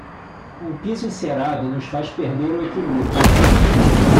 Um piso encerado nos faz perder o equilíbrio.